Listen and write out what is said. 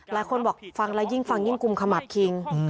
หลายคนบอกฟังแล้วยิ่งฟังยิ่งกุมขมับคิง